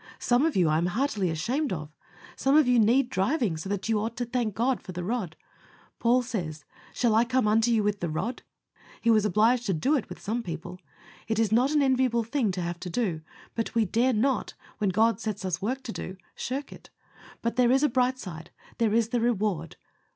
Some of you I am heartily ashamed of. Some of you need driving so that you ought to thank God for the rod. Paul says, "Shall I come unto you with the rod?" He was obliged to do it with some people. It is not an enviable thing to have to do; but we dare not, when God sets us work to do, shirk it; but there is a bright side there is the reward.